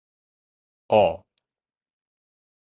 喔